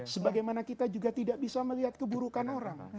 sebagaimana kita juga tidak bisa melihat keburukan orang